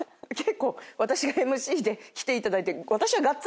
結構私がＭＣで来ていただいて。